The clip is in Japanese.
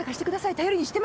頼りにしてます。